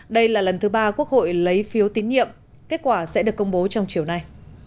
đây là lần thứ ba quốc hội lấy phiếu tín nhiệm kết quả sẽ được công bố trong chiều nay